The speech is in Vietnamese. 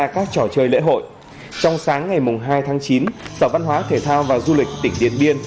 các trò chơi lễ hội trong sáng ngày hai tháng chín sở văn hóa thể thao và du lịch tỉnh điện biên